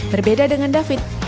berbeda dengan david